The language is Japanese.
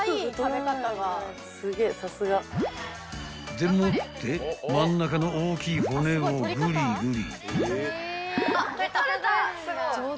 でもって真ん中の大きい骨をぐりぐり］